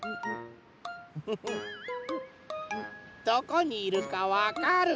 どこにいるかわかる？